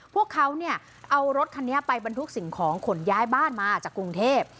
พวกเขาเนี่ยเอารถคันนี้ไปบรรทุกสิ่งของขนย้ายบ้านมาจากกรุงเทพ